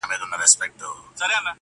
پاچهۍ لره تر لاس تر سترگه تېر وه-